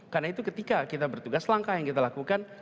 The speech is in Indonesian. karena itu ketika kita bertugas langkah yang kita lakukan